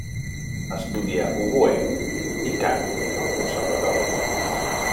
Estudià oboè i cant al conservatori.